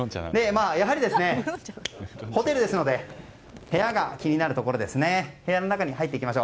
やはりホテルですので部屋が気になるところですね。